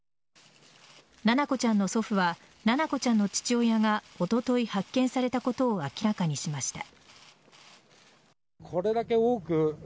七菜子ちゃんの祖父は七菜子ちゃんの父親がおととい発見されたことを明らかにしました。